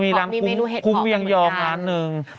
มีเมนูเห็ดผอดเหมือนกัน